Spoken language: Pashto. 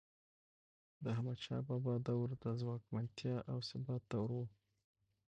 د احمدشاه بابا دور د ځواکمنتیا او ثبات دور و.